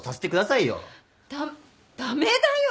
だっ駄目だよ！